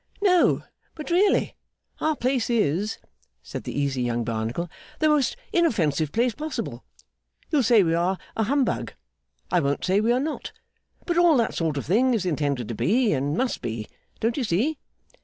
'No, but really! Our place is,' said the easy young Barnacle, 'the most inoffensive place possible. You'll say we are a humbug. I won't say we are not; but all that sort of thing is intended to be, and must be. Don't you see?